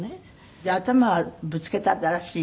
じゃあ頭はぶつけたらしいの？